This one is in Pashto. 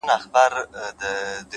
عاجزي د احترام دروازې پرانیزي!